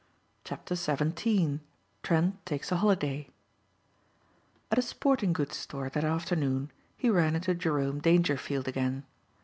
CHAPTER XVII TRENT TAKES A HOLIDAY AT a sporting goods store that afternoon he ran into Jerome Dangerfield again.